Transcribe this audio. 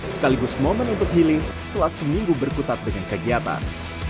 sekaligus momen untuk healing setelah seminggu berkutat dengan kegiatan